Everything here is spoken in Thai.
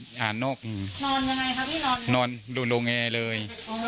นอนยังไงครับพี่นอนนอนโรงแอเลย